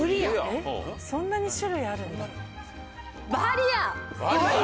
そんなに種類あるんだ・バリア？